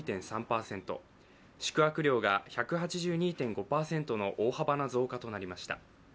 宿泊料が１８２．５％の大幅な増加となりました。